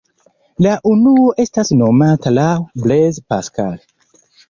La unuo estas nomata laŭ Blaise Pascal.